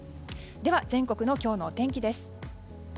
全国の今日のお天気です。